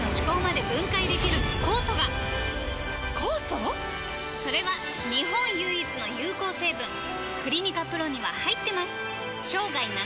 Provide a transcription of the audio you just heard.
酵素⁉それは日本唯一の有効成分「クリニカ ＰＲＯ」には入ってます！